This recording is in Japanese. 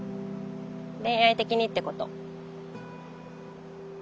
恋愛的にってこと。